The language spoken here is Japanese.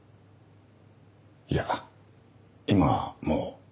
いや今はもう。